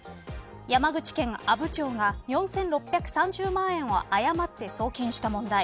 山口県阿武町が４６３０万円を誤って送金した問題。